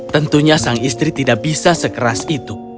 tentunya sang istri tidak bisa sekeras itu